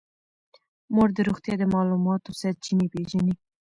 مور د روغتیا د معلوماتو سرچینې پېژني.